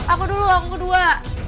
aku dulu aku kedua